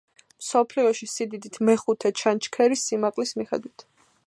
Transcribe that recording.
მსოფლიოში სიდიდით მეხუთე ჩანჩქერი სიმაღლის მიხედვით.